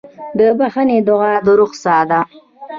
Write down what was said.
د بښنې دعا د روح ساه ده.